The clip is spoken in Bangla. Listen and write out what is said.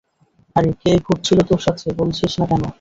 আরে কে ঘুরছিলো তোর সাথে, বলছিস না, কেন?